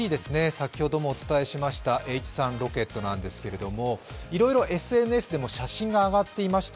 先ほどもお伝えしましたＨ３ロケットなんですけれども、いろいろＳＮＳでも写真が上がっていました。